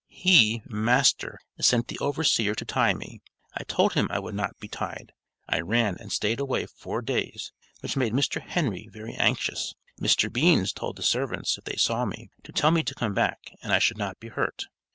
"He (master) sent the overseer to tie me. I told him I would not be tied. I ran and stayed away four days, which made Mr. Henry very anxious. Mr. Beans told the servants if they saw me, to tell me to come back and I should not be hurt.